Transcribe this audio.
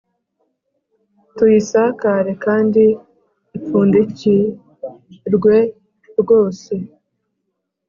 Tuyisakare kandi ipfundikrwe rwose